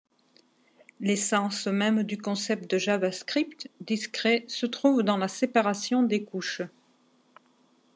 L'essence même du concept de JavaScript discret se trouve dans la séparation des couches.